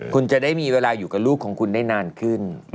คุณจะได้มีเวลาอยู่กับลูกของคุณได้นานขึ้น